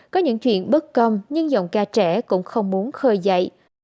có những chuyện bất công nhưng giọng ca trẻ cũng không muốn khơi dậy